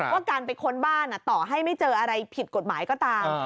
ว่าการไปค้นบ้านต่อให้ไม่เจออะไรผิดกฎหมายก็ตาม